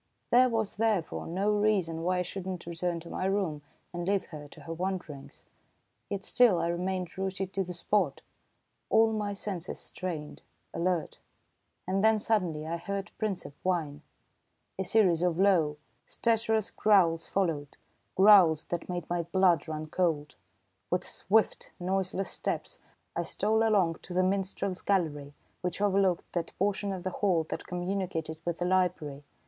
There was, therefore, no reason why I should not return to my room and leave her to her wandering, yet still I remained rooted to the spot, all my senses strained, alert. And then suddenly I heard Princep whine. A series of low, stertorous growls followed, growls that made my blood run cold! With swift, noiseless steps, I stole along to the minstrel's gallery which overlooked that portion of the hall that communicated with the library.